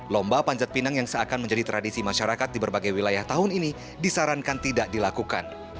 lomba panjat pinang yang seakan menjadi tradisi masyarakat di berbagai wilayah tahun ini disarankan tidak dilakukan